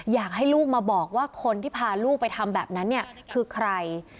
อยากให้ลูกมาบอกว่าคนที่พาลูกไปทำแบบนั้นเนี่ยคือใคร